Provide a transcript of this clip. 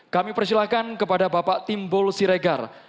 kami persilahkan kepada bapak timbul siregar